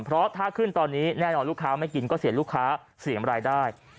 เพราะถ้าขึ้นตอนนี้แน่นอนลูกค้าไม่กินก็เสียลูกค้าเสียรายได้